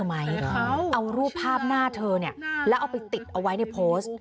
เอารูปภาพหน้าเธอเนี่ยแล้วเอาไปติดเอาไว้ในโพสต์